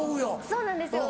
そうなんですよ。